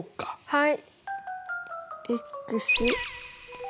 はい。